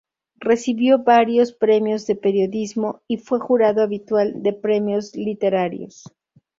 Recibió varios premios de periodismo y fue jurado habitual de premios literarios.